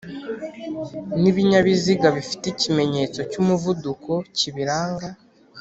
nibinyabiziga bifite ikimenyetso cy’umuvuduko kibiranga